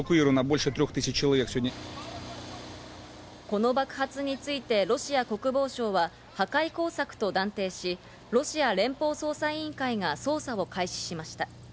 この爆発についてロシア国防省は破壊工作と断定し、ロシア連邦捜査委員会が捜査を開始しました。